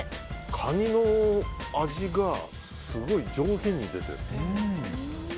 カニの味がすごい上品に出てる。